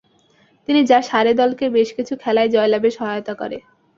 তিনি যা সারে দলকে বেশকিছু খেলায় জয়লাভে সহায়তা করে।